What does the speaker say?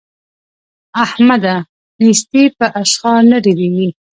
احمده! نېستي په اشخار نه ډېرېږي.